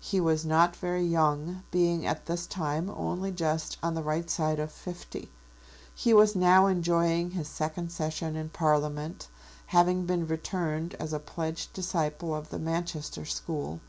He was not very young, being at this time only just on the right side of fifty. He was now enjoying his second session in Parliament, having been returned as a pledged disciple of the Manchester school.